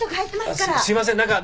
すいません何か。